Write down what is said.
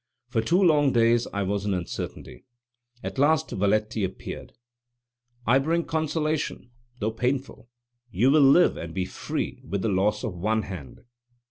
For two long days I was in uncertainty; at last Valetti appeared. "I bring consolation, though painful. You will live and be free with the loss of one hand."